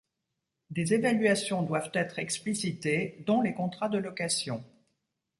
Des évaluations doivent être explicitées dont les contrats de location.